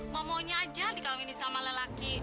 mau maunya aja dikawinin sama lelaki